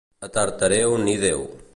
A Tartareu, ni Déu.